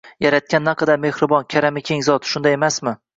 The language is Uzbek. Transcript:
Yaratgan naqadar Mehribon, karami keng Zot! Shunday emasmi?